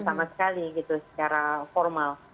sama sekali gitu secara formal